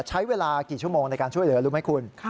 ใช้เวลากี่ชั่วโมงในการช่วยเหลือรู้ไหมคุณ